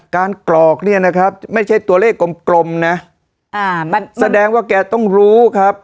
กรอกเนี่ยนะครับไม่ใช่ตัวเลขกลมกลมนะอ่ามันแสดงว่าแกต้องรู้ครับ